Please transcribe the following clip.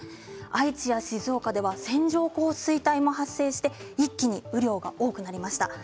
愛知や静岡では線状降水帯が発生して一気に雨量が多くなりました。